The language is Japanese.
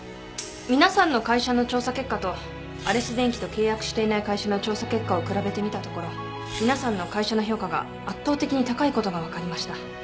皆さんの会社の調査結果とアレス電機と契約していない会社の調査結果を比べてみたところ皆さんの会社の評価が圧倒的に高いことが分かりました。